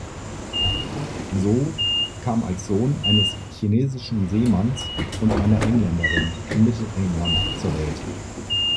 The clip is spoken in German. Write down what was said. Soo kam als Sohn eines chinesischen Seemanns und einer Engländerin in Mittelengland zur Welt.